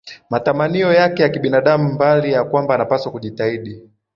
matamanio yake ya kibinadamu mbali ya kwamba anapaswa kujitahidi